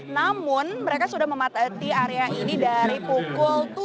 namun mereka sudah mematuhi area ini dari pukul